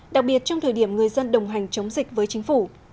đặc biệt trong thời điểm người dân đồng hành chống dịch với chính phủ